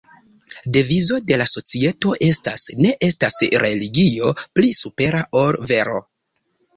Devizo de la societo estas "ne estas religio pli supera ol vero".